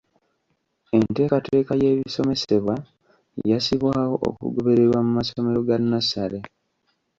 Enteekateeka y’ebisomesebwa yassibwawo okugobererwa mu masomero ga nnassale.